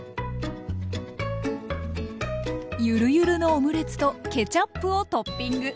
ゆるゆるのオムレツとケチャップをトッピング。